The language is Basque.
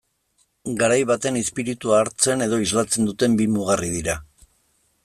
Garai baten izpiritua hartzen edo islatzen duten bi mugarri dira.